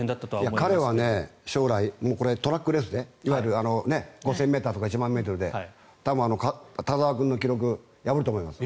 彼は将来トラックレースでいわゆる５０００ｍとか１００００ｍで多分、田澤君の記録を破ると思いますよ。